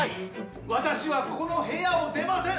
私はこの部屋を出ません！